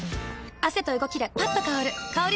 汗と動きでパッと香る香り